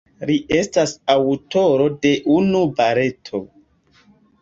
Li estas aŭtoro de unu baleto.